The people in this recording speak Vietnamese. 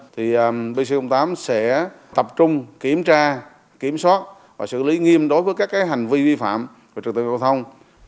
thì bc tám sẽ tập trung kiểm tra kiểm soát và xử lý nghiêm đối với các hành vi vi phạm về trực tự giao thông